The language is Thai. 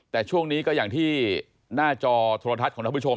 แต่ช่วงนี้ก็อย่างที่หน้าจอโทรทัศน์ของท่านผู้ชม